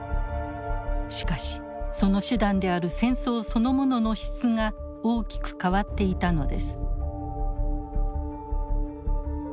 しかしその手段である戦争そのものの質が大きく変わっていたのです。